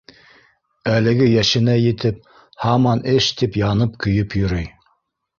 Әлеге йәшенә етеп, һаман эш тип, янып-көйөп йөрөй